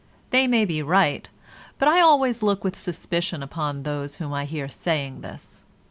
They may be right, but I always look with suspicion upon those whom I hear saying this.